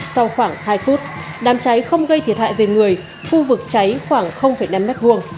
sau khoảng hai phút đám cháy không gây thiệt hại về người khu vực cháy khoảng năm mét vuông